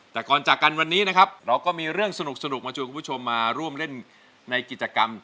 แต่ก่อนจากกันวันนี้นะครับเราก็มีเรื่องสนุกมาชวนคุณผู้ชมมาร่วมเล่นในกิจกรรม